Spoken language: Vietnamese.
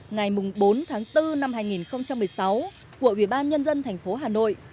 ngày bốn tháng bốn năm hai nghìn một mươi sáu của ubnd tp hà nội